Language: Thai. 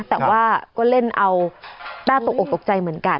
แต่ว่าก็เล่นเอาน่าตกอกตกใจเหมือนกัน